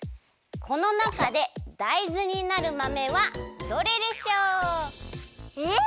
このなかでだいずになるまめはどれでしょう？え？